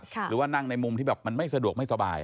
หรือว่านั่งในมุมที่แบบมันไม่สะดวกไม่สบาย